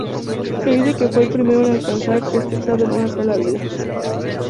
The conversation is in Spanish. Se dice que fue el primero en alcanzar este estado en una sola vida.